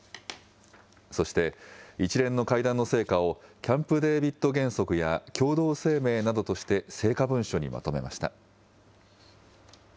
そして、一連の会談の成果をキャンプ・デービッド原則や共同声明などとして成果文書にまとめました。